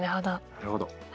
なるほど。